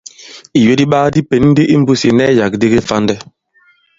Ìyo di iɓaa di pěn ndi i mbūs ì ìnɛsyàk di kifandɛ.